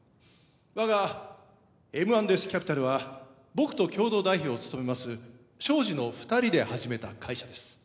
わがＭ＆Ｓキャピタルは僕と共同代表を務めます庄司の２人で始めた会社です。